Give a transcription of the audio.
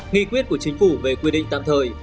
nghị quyết của chính phủ về quy định khai thác tạm thời